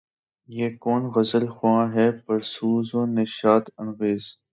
یہ کون غزل خواں ہے پرسوز و نشاط انگیز